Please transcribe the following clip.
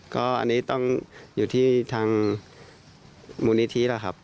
ก็อันนี้ต้องอยู่ที่ทางมูลนิธินะครับ